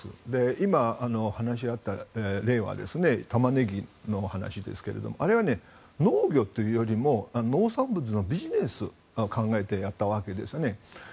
今、話があった例はタマネギの話ですけどあれは農業というよりも農産物のビジネスを考えてやったわけですね。